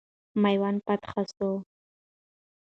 میوند فتح سو.